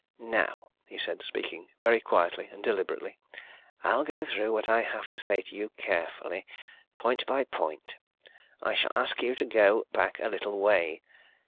"Now," he said, speaking very quietly and deliberately, "I'll go through what I have to say to you carefully, point by point. I shall ask you to go back a little way.